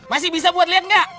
masih bisa buat liat gak